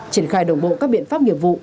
triển khai đồng bộ các biện pháp nghiệp vụ